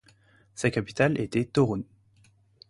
Sa capitale était Toruń.